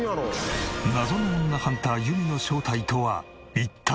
謎の女ハンターゆみの正体とは一体。